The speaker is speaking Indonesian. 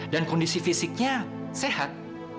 dan kondisi fisiknya sehat